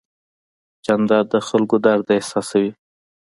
جانداد د خلکو درد احساسوي.